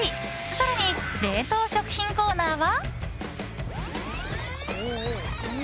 更に冷凍食品コーナーは。